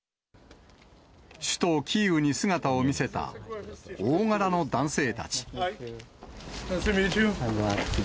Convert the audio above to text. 首都キーウに姿を見せた大柄の男性たち。